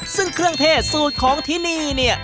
ซึ่งเครื่องเทศสูตรของที่นี่เนี่ย